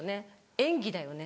演技だよね？